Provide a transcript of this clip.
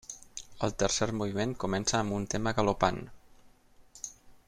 El tercer moviment comença amb un tema galopant.